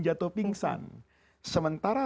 jatuh pingsan sementara